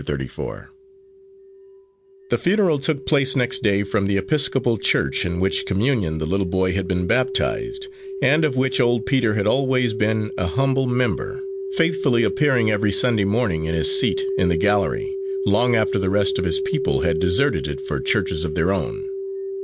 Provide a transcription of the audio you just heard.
Thirty four The funeral took place next day, from the Episcopal Church, in which communion the little boy had been baptised, and of which old Peter had always been an humble member, faithfully appearing every Sunday morning in his seat in the gallery, long after the rest of his people had deserted it for churches of their own.